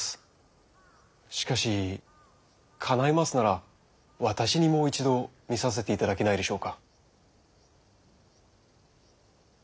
しかしかないますなら私にも一度診させて頂けないでしょうか。